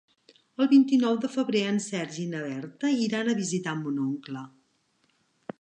El vint-i-nou de febrer en Sergi i na Berta iran a visitar mon oncle.